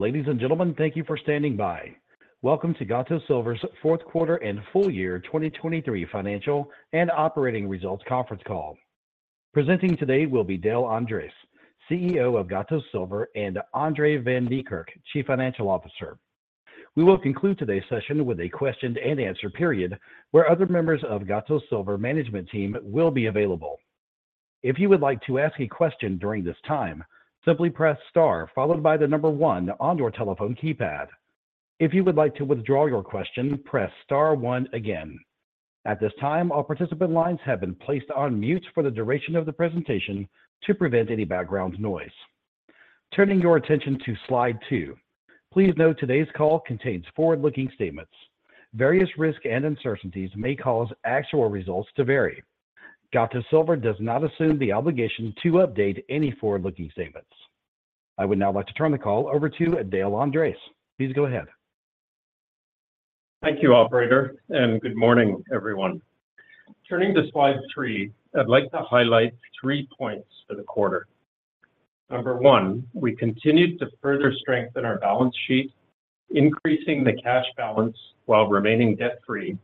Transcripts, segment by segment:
Ladies and gentlemen, thank you for standing by. Welcome to Gatos Silver's Fourth Quarter and Full Year 2023 Financial and Operating Results Conference Call. Presenting today will be Dale Andres, CEO of Gatos Silver, and Andre van Niekerk, Chief Financial Officer. We will conclude today's session with a question and answer period where other members of Gatos Silver management team will be available. If you would like to ask a question during this time, simply press star followed by the number one on your telephone keypad. If you would like to withdraw your question, press star one again. At this time, all participant lines have been placed on mute for the duration of the presentation to prevent any background noise. Turning your attention to slide two. Please note today's call contains forward-looking statements. Various risks and uncertainties may cause actual results to vary. Gatos Silver does not assume the obligation to update any forward-looking statements. I would now like to turn the call over to Dale Andres. Please go ahead. Thank you, operator, and good morning, everyone. Turning to slide three, I'd like to highlight three points for the quarter. Number one, we continue to further strengthen our balance sheet, increasing the cash balance while remaining debt-free,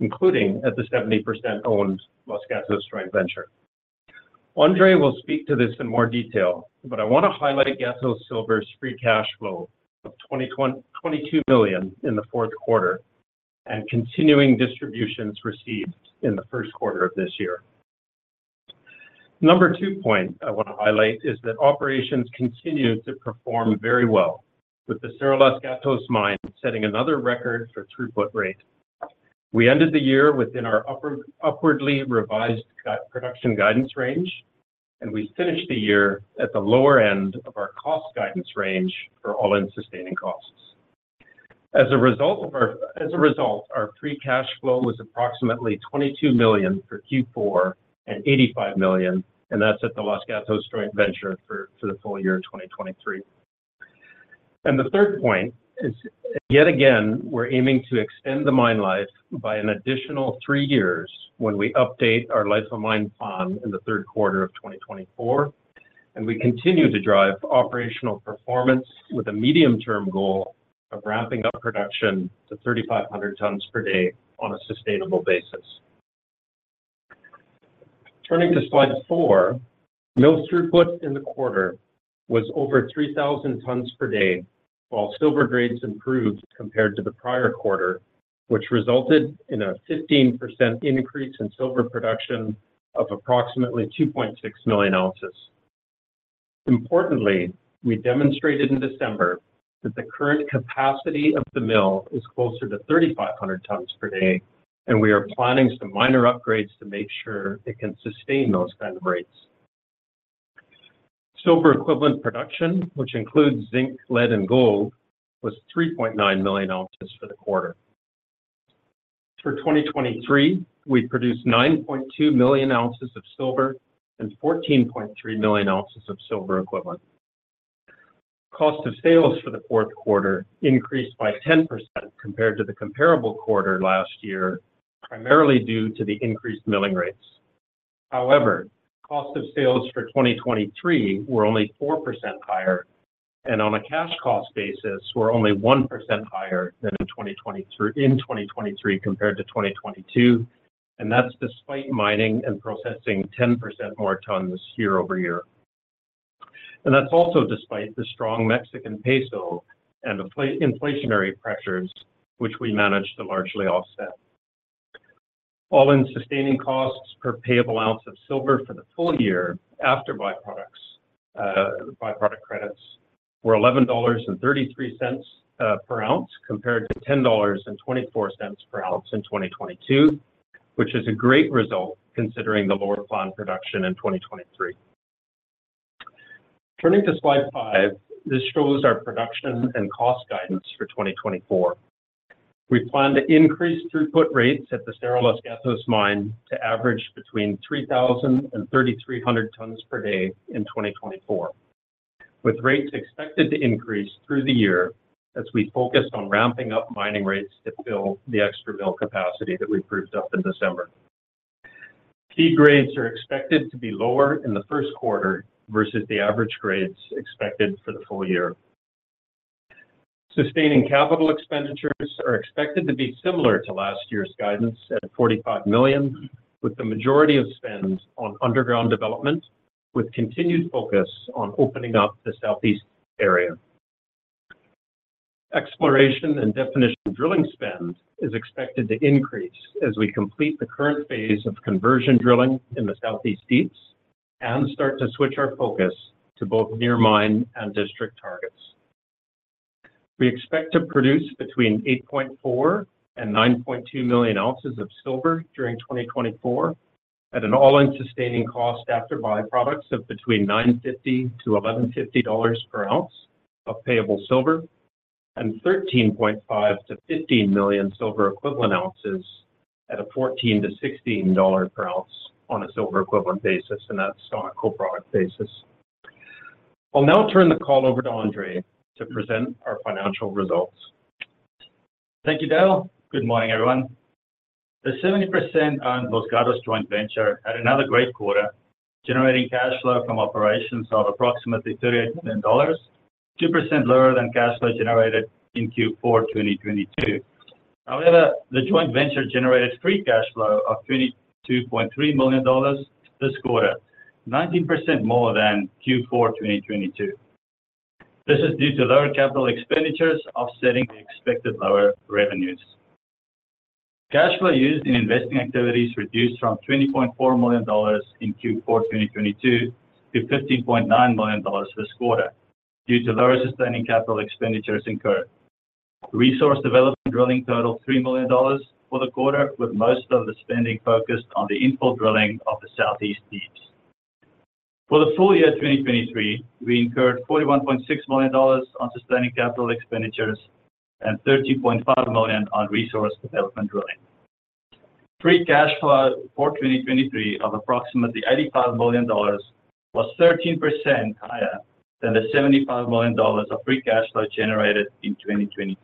including at the 70% owned Los Gatos Joint Venture. André will speak to this in more detail, but I want to highlight Gatos Silver's free cash flow of $22 million in the fourth quarter and continuing distributions received in the first quarter of this year. Number two point I want to highlight is that operations continue to perform very well, with the Cerro Los Gatos mine setting another record for throughput rate. We ended the year within our upwardly revised production guidance range, and we finished the year at the lower end of our cost guidance range for all-in sustaining costs. As a result, our free cash flow was approximately $22 million for Q4 and $85 million, and that's at the Los Gatos Joint Venture for the full year 2023. The third point is, yet again, we're aiming to extend the mine life by an additional three years when we update our life of mine plan in the third quarter of 2024, and we continue to drive operational performance with a medium-term goal of ramping up production to 3,500 tons per day on a sustainable basis. Turning to slide four, mill throughput in the quarter was over 3,000 tons per day while silver grades improved compared to the prior quarter, which resulted in a 15% increase in silver production of approximately 2.6 million ounces. Importantly, we demonstrated in December that the current capacity of the mill is closer to 3,500 tons per day, and we are planning some minor upgrades to make sure it can sustain those kind of rates. Silver equivalent production, which includes zinc, lead, and gold, was 3.9 million ounces for the quarter. For 2023, we produced 9.2 million ounces of silver and 14.3 million ounces of silver equivalent. Cost of sales for the fourth quarter increased by 10% compared to the comparable quarter last year, primarily due to the increased milling rates. However, cost of sales for 2023 were only 4% higher, and on a cash cost basis, were only 1% higher than in 2023 compared to 2022, and that's despite mining and processing 10% more tons year-over-year. And that's also despite the strong Mexican peso and inflationary pressures, which we managed to largely offset. All-in sustaining costs per payable ounce of silver for the full year after byproduct credits were $11.33 per ounce compared to $10.24 per ounce in 2022, which is a great result considering the lower planned production in 2023. Turning to slide five, this shows our production and cost guidance for 2024. We plan to increase throughput rates at the Cerro Los Gatos mine to average between 3,000 and 3,300 tons per day in 2024, with rates expected to increase through the year as we focus on ramping up mining rates to fill the extra mill capacity that we proved up in December. Key grades are expected to be lower in the first quarter versus the average grades expected for the full year. Sustaining capital expenditures are expected to be similar to last year's guidance at $45 million, with the majority of spend on underground development with continued focus on opening up the southeast area. Exploration and definition drilling spend is expected to increase as we complete the current phase of conversion drilling in the Southeast Deeps and start to switch our focus to both near-mine and district targets. We expect to produce between 8.4-9.2 million ounces of silver during 2024 at an all-in sustaining cost after byproducts of between $950-$1,150 per ounce of payable silver and 13.5-15 million silver equivalent ounces at a $14-$16 per ounce on a silver equivalent basis, and that's on a co-product basis. I'll now turn the call over to Andres to present our financial results. Thank you, Dale. Good morning, everyone. The 70%-owned Los Gatos Joint Venture had another great quarter, generating cash flow from operations of approximately $38 million, 2% lower than cash flow generated in Q4 2022. However, the joint venture generated free cash flow of $22.3 million this quarter, 19% more than Q4 2022. This is due to lower capital expenditures offsetting the expected lower revenues. Cash flow used in investing activities reduced from $20.4 million in Q4 2022 to $15.9 million this quarter due to lower sustaining capital expenditures incurred. Resource development drilling totaled $3 million for the quarter, with most of the spending focused on the infill drilling of the Southeast Deeps. For the full year 2023, we incurred $41.6 million on sustaining capital expenditures and $13.5 million on resource development drilling. Free cash flow for 2023 of approximately $85 million was 13% higher than the $75 million of free cash flow generated in 2022.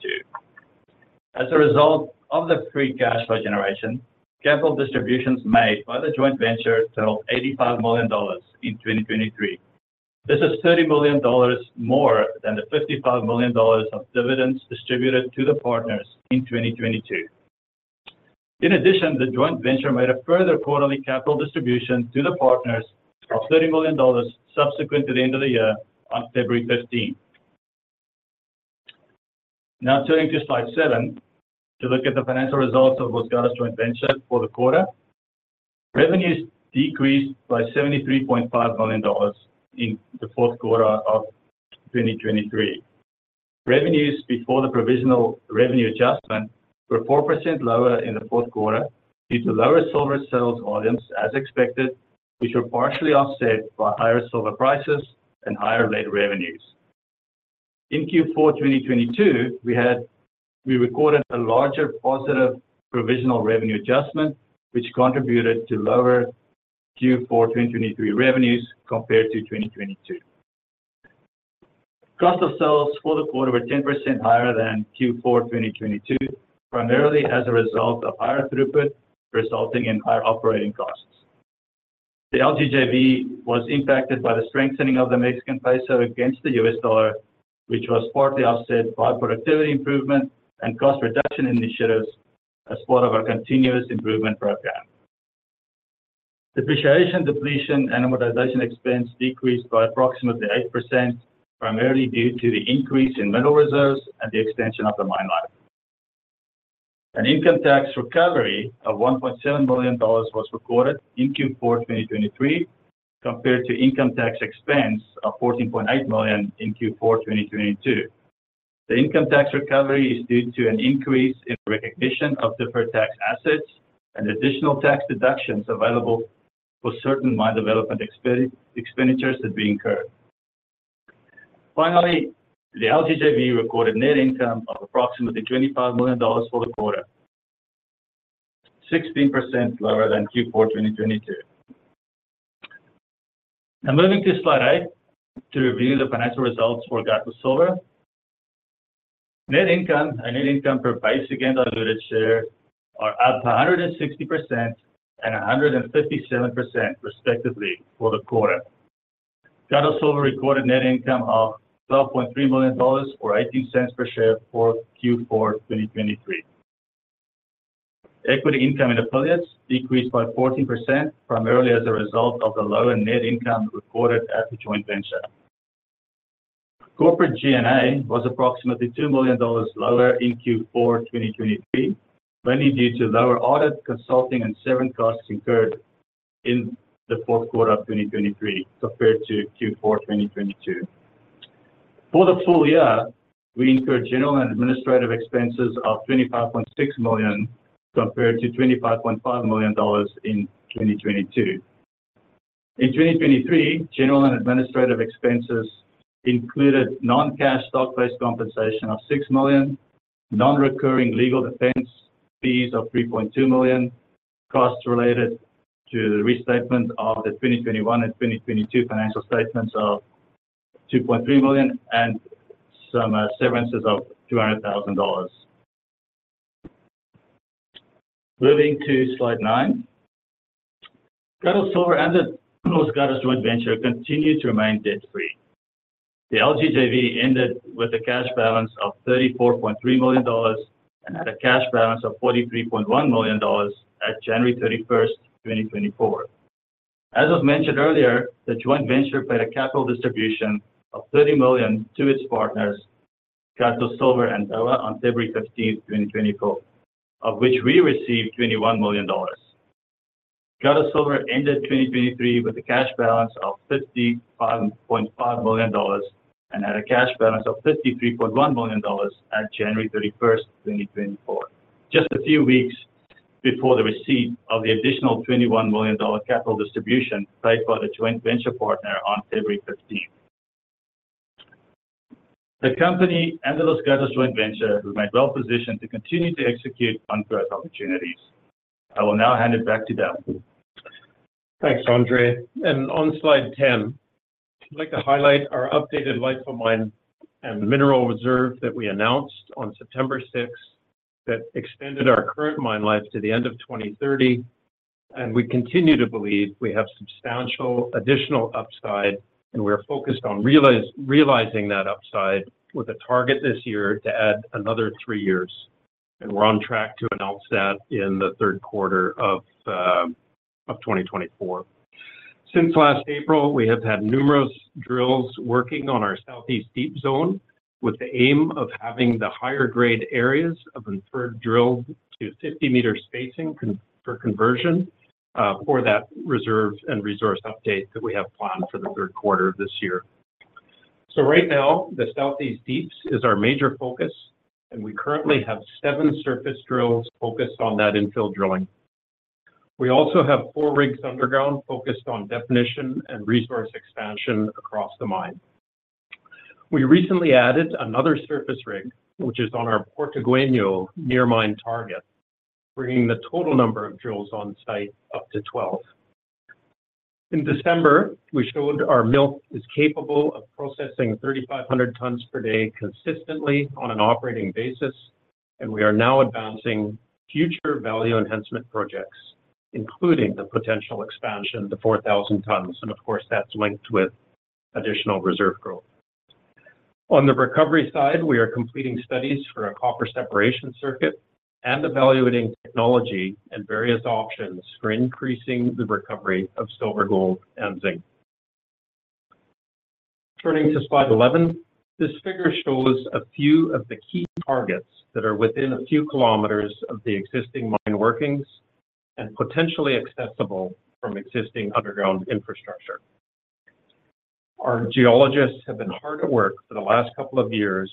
As a result of the free cash flow generation, capital distributions made by the joint venture totaled $85 million in 2023. This is $30 million more than the $55 million of dividends distributed to the partners in 2022. In addition, the joint venture made a further quarterly capital distribution to the partners of $30 million subsequent to the end of the year on February 15th. Now turning to slide seven to look at the financial results of Los Gatos Joint Venture for the quarter. Revenues decreased by $73.5 million in the fourth quarter of 2023. Revenues before the provisional revenue adjustment were 4% lower in the fourth quarter due to lower silver sales volumes as expected, which were partially offset by higher silver prices and higher lead revenues. In Q4 2022, we recorded a larger positive provisional revenue adjustment, which contributed to lower Q4 2023 revenues compared to 2022. Cost of sales for the quarter were 10% higher than Q4 2022, primarily as a result of higher throughput resulting in higher operating costs. The LGJV was impacted by the strengthening of the Mexican peso against the US dollar, which was partly offset by productivity improvement and cost reduction initiatives as part of our continuous improvement program. Depreciation, depletion, and amortization expense decreased by approximately 8%, primarily due to the increase in mineral reserves and the extension of the mine life. An income tax recovery of $1.7 million was recorded in Q4 2023 compared to income tax expense of $14.8 million in Q4 2022. The income tax recovery is due to an increase in recognition of deferred tax assets and additional tax deductions available for certain mine development expenditures that we incurred. Finally, the LGJV recorded net income of approximately $25 million for the quarter, 16% lower than Q4 2022. Now moving to slide 8 to review the financial results for Gatos Silver. Net income and net income per basic and diluted share are up 160% and 157% respectively for the quarter. Gatos Silver recorded net income of $12.3 million or $0.18 per share for Q4 2023. Equity income from affiliates decreased by 14%, primarily as a result of the lower net income recorded at the joint venture. Corporate G&A was approximately $2 million lower in Q4 2023, mainly due to lower audit, consulting, and severance costs incurred in the fourth quarter of 2023 compared to Q4 2022. For the full year, we incurred general and administrative expenses of $25.6 million compared to $25.5 million in 2022. In 2023, general and administrative expenses included non-cash stock-based compensation of $6 million, non-recurring legal defense fees of $3.2 million, costs related to the restatement of the 2021 and 2022 financial statements of $2.3 million, and some severances of $200,000. Moving to slide 9. Gatos Silver and the Los Gatos joint venture continue to remain debt-free. The LGJV ended with a cash balance of $34.3 million and had a cash balance of $43.1 million at January 31st, 2024. As was mentioned earlier, the joint venture paid a capital distribution of $30 million to its partners, Gatos Silver and Dowa, on February 15th, 2024, of which we received $21 million. Gatos Silver ended 2023 with a cash balance of $55.5 million and had a cash balance of $53.1 million at January 31st, 2024, just a few weeks before the receipt of the additional $21 million capital distribution paid by the joint venture partner on February 15th. The company and the Los Gatos Joint Venture remain well positioned to continue to execute on growth opportunities. I will now hand it back to Dale. Thanks, Andres. On slide 10, I'd like to highlight our updated life of mine and mineral reserve that we announced on September 6th that extended our current mine life to the end of 2030, and we continue to believe we have substantial additional upside, and we are focused on realizing that upside with a target this year to add another three years, and we're on track to announce that in the third quarter of 2024. Since last April, we have had numerous drills working on our Southeast Deeps zone with the aim of having the higher grade areas of inferred drilled to 50 m spacing for conversion for that reserve and resource update that we have planned for the third quarter of this year. So right now, the Southeast Deeps is our major focus, and we currently have seven surface drills focused on that infill drilling. We also have four rigs underground focused on definition and resource expansion across the mine. We recently added another surface rig, which is on our Portuegueño near-mine target, bringing the total number of drills on site up to 12. In December, we showed our mill is capable of processing 3,500 tons per day consistently on an operating basis, and we are now advancing future value enhancement projects, including the potential expansion to 4,000 tons, and of course, that's linked with additional reserve growth. On the recovery side, we are completing studies for a copper separation circuit and evaluating technology and various options for increasing the recovery of silver, gold, and zinc. Turning to Slide 11, this figure shows a few of the key targets that are within a few kilometers of the existing mine workings and potentially accessible from existing underground infrastructure. Our geologists have been hard at work for the last couple of years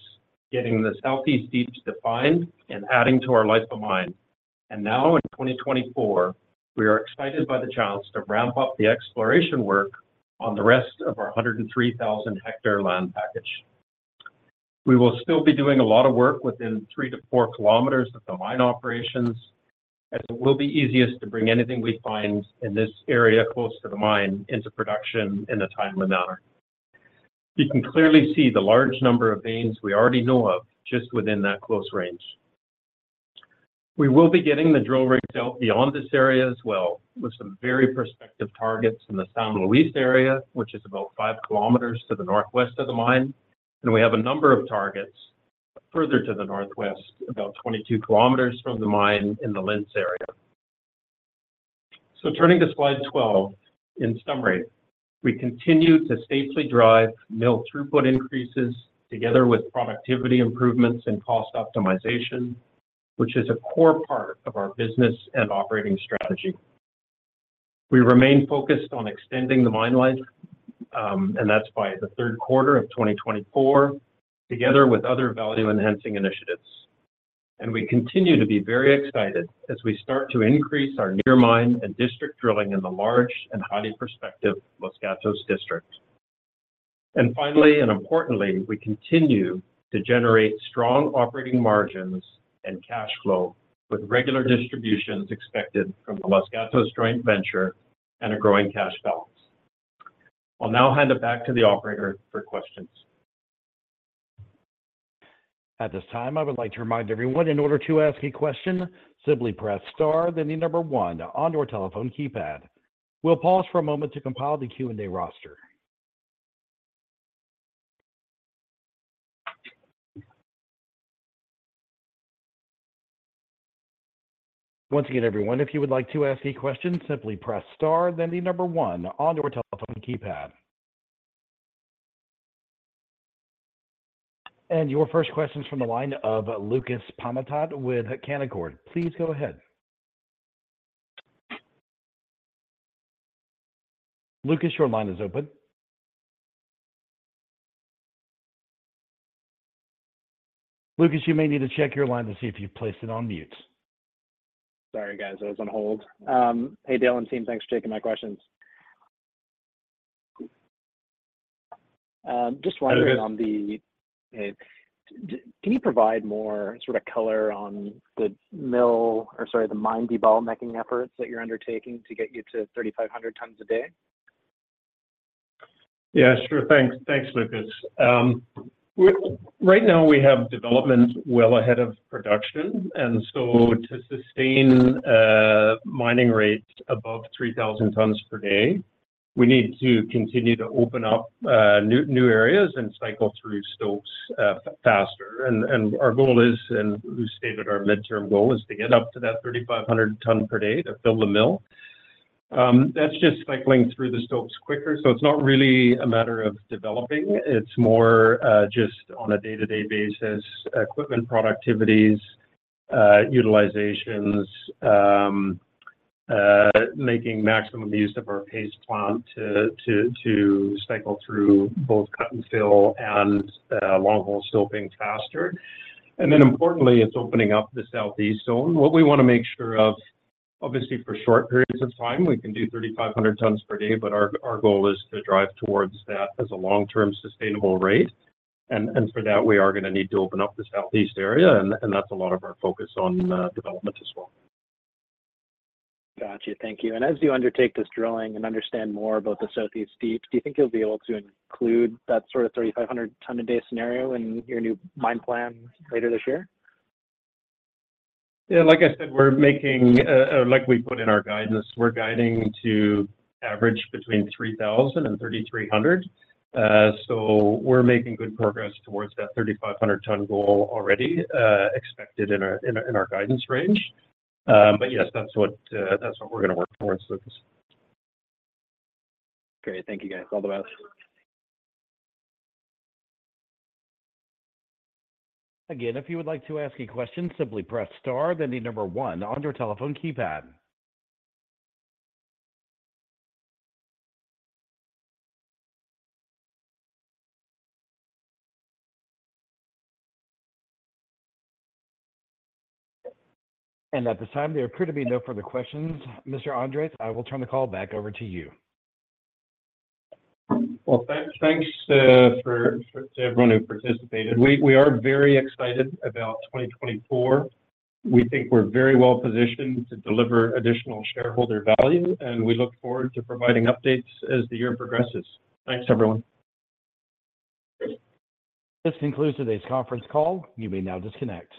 getting the Southeast Deeps defined and adding to our Life of Mine, and now in 2024, we are excited by the chance to ramp up the exploration work on the rest of our 103,000 ha land package. We will still be doing a lot of work within 3 to 4 km of the mine operations, as it will be easiest to bring anything we find in this area close to the mine into production in a timely manner. You can clearly see the large number of veins we already know of just within that close range. We will be getting the drill rigs out beyond this area as well with some very prospective targets in the San Luis area, which is about five kilometers to the northwest of the mine, and we have a number of targets further to the northwest, about 22 kilometers from the mine in the Lince area. So turning to slide 12, in summary, we continue to safely drive mill throughput increases together with productivity improvements and cost optimization, which is a core part of our business and operating strategy. We remain focused on extending the mine life, and that's by the third quarter of 2024 together with other value-enhancing initiatives, and we continue to be very excited as we start to increase our near-mine and district drilling in the large and highly prospective Los Gatos District. And finally and importantly, we continue to generate strong operating margins and cash flow with regular distributions expected from the Los Gatos Joint Venture and a growing cash balance. I'll now hand it back to the operator for questions. At this time, I would like to remind everyone, in order to ask a question, simply press star then the number one on your telephone keypad. We'll pause for a moment to compile the Q&A roster. Once again, everyone, if you would like to ask a question, simply press star then the number one on your telephone keypad. And your first question's from the line of Lucas Pamatat with Canaccord. Please go ahead. Lucas, your line is open. Lucas, you may need to check your line to see if you've placed it on mute. Sorry, guys. I was on hold. Hey, Dale and team, thanks for taking my questions. Just wondering on the, can you provide more sort of color on the mill or, sorry, the mine debulking efforts that you're undertaking to get you to 3,500 tons a day? Yeah, sure. Thanks. Thanks, Lucas. Right now, we have development well ahead of production, and so to sustain mining rates above 3,000 tons per day, we need to continue to open up new areas and cycle through stopes faster. And our goal is, and Lucas stated, our midterm goal is to get up to that 3,500 tons per day to fill the mill. That's just cycling through the stopes quicker, so it's not really a matter of developing. It's more just on a day-to-day basis, equipment productivities, utilizations, making maximum use of our paste plant to cycle through both cut and fill and long-hole stoping faster. And then importantly, it's opening up the southeast zone. What we want to make sure of, obviously, for short periods of time, we can do 3,500 tons per day, but our goal is to drive towards that as a long-term sustainable rate. For that, we are going to need to open up the southeast area, and that's a lot of our focus on development as well. Gotcha. Thank you. As you undertake this drilling and understand more about the Southeast Deeps, do you think you'll be able to include that sort of 3,500 ton a day scenario in your new mine plan later this year? Yeah. Like I said, we're making like we put in our guidance, we're guiding to average between 3,000 and 3,300. So we're making good progress towards that 3,500 tons goal already expected in our guidance range. But yes, that's what we're going to work towards, Lucas. Great. Thank you, guys. All the best. Again, if you would like to ask a question, simply press star then the number one on your telephone keypad. At this time, there appear to be no further questions. Mr. Andres, I will turn the call back over to you. Well, thanks to everyone who participated. We are very excited about 2024. We think we're very well positioned to deliver additional shareholder value, and we look forward to providing updates as the year progresses. Thanks, everyone. This concludes today's conference call. You may now disconnect.